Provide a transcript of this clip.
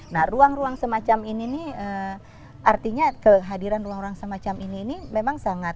nah ruang ruang semacam ini nih artinya kehadiran ruang ruang semacam ini ini memang sangat